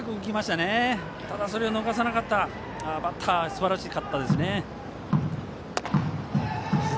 ただ、それを逃さなかったバッターはすばらしかったです。